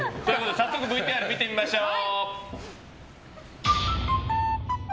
早速、ＶＴＲ見てみましょう。